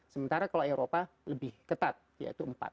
sementara kalau eropa lebih ketat yaitu empat